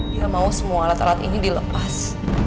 dia mau semua alat alat ini dilepas